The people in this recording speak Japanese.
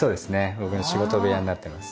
僕の仕事部屋になってます。